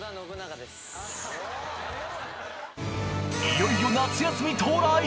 いよいよ夏休み到来！